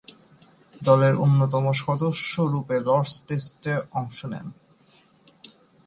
দলের অন্যতম সদস্যরূপে লর্ডস টেস্টে অংশ নেন।